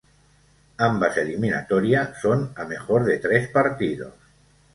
Ambas eliminatoria son a mejor de tres partidos.